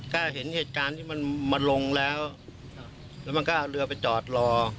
ก็เห็นเหตุการณ์ที่มันมาลงแล้วแล้วมันก็เอาเรือไปจอดรอ